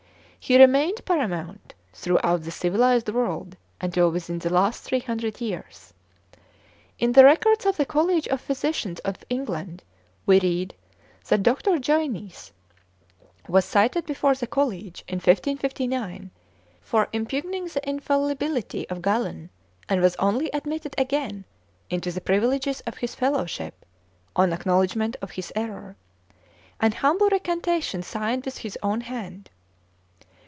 He remained paramount throughout the civilized world until within the last three hundred years. In the records of the College of Physicians of England we read that Dr. Geynes was cited before the college in 1559 for impugning the infallibility of Galen, and was only admitted again into the privileges of his fellowship on acknowledgment of his error, and humble recantation signed with his own hand.